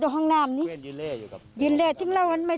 คุณผู้สายรุ่งมโสผีอายุ๔๒ปี